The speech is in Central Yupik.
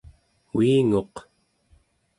uinguq